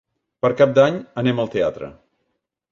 Per Cap d'Any anem al teatre.